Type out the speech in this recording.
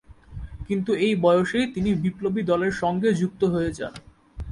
কিন্তু এই বয়সেই তিনি বিপ্লবী দলের সঙ্গে যুক্ত হয়ে যান।